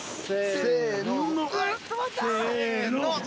せの。